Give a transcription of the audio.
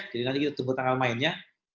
nanti kita tunggu tanggal mainnya